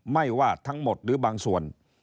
ไม่ว่าทั้งหมดหรือบางส่วน